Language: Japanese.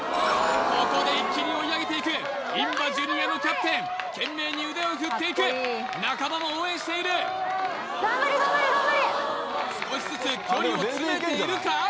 ここで一気に追い上げていくいんばジュニアのキャプテン懸命に腕を振っていく仲間も応援している少しずつ距離を詰めているか？